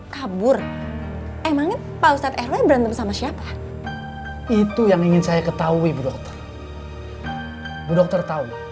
kabur emangnya pak ustadz erlay berantem sama siapa itu yang ingin saya ketahui bu dokter bu dokter tahu